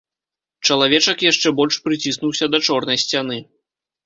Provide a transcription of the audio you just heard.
Чалавечак яшчэ больш прыціснуўся да чорнай сцяны.